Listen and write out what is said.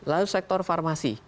lalu sektor farmasi